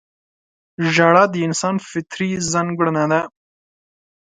• ژړا د انسان فطري ځانګړنه ده.